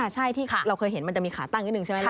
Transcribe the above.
ใช่ที่เราเคยเห็นมันจะมีขาตั้งนิดนึงใช่ไหมล่ะ